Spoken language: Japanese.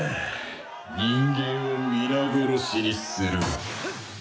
人間を皆殺しにする。